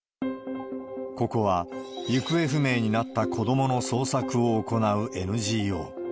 ここは、行方不明になった子どもの捜索を行うＮＧＯ。